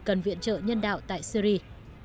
cần viện trợ nhân đạo tại syria